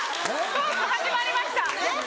トーク始まりました。